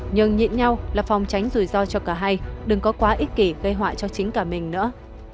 nhưng nhịn nhau là phòng tránh rủi ro cho cả hay đừng có quá ích kỷ gây họa cho chính cả mình nữa